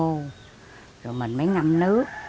mình phơi khô rồi mình mới ngâm nước